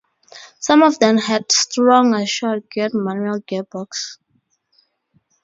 Some of them had stronger, short geared manual gearbox.